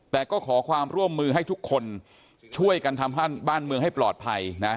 แต่ก็ขอความร่วมมือให้ทุกคนช่วยกันทำให้บ้านเมืองให้ปลอดภัยนะ